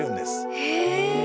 へえ。